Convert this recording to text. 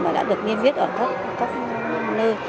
và đã được nghiên viết ở các nơi